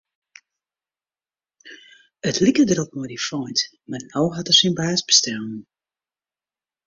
It like derop mei dy feint, mar no hat er syn baas bestellen.